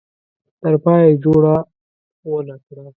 تر پایه یې جوړه ونه کړه.